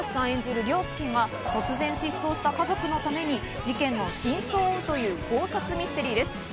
演じる凌介が突然、失踪した家族のために事件の真相を追うという考察ミステリーです。